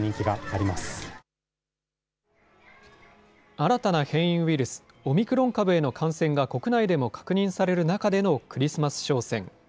新たな変異ウイルス、オミクロン株への感染が国内でも確認される中でのクリスマス商戦。